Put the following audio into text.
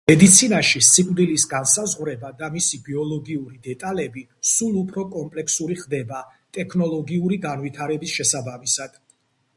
მედიცინაში სიკვდილის განსაზღვრება და მისი ბიოლოგიური დეტალები სულ უფრო კომპლექსური ხდება ტექნოლოგიური განვითარების შესაბამისად.